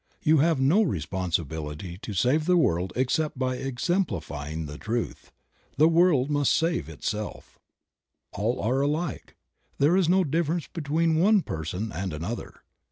You have no responsibility to save the world except by exemplifying the truth. The world must save itself. All are alike; there is no difference between one person and another.